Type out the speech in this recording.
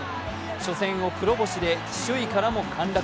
初戦を黒星で首位からも陥落。